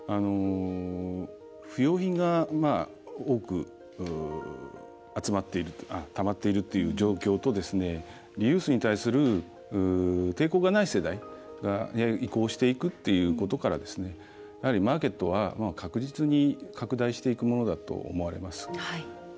不用品が多くたまっているという状況とリユースに対する抵抗がない世代が移行していくということからマーケットは確実に拡大していくものだと思われます。